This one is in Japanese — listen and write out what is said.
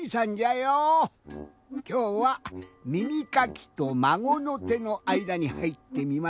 きょうはみみかきとまごのてのあいだにはいってみました。